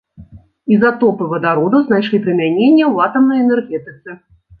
Ізатопы вадароду знайшлі прымяненне ў атамнай энергетыцы.